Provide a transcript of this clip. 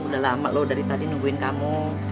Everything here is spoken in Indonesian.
udah lama loh dari tadi nungguin kamu